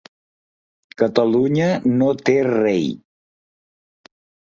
Catalunya no té rei.